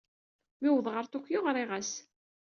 Mi uwḍeɣ ɣer Tokyo, ɣriɣ-as.